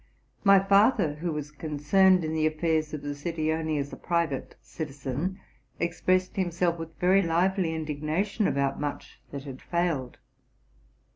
My father, who was concerned in the affairs of the RELATING TO MY LIFE. 199 city only as a private citizen, expressed himself with very lively indignation about much that had failed..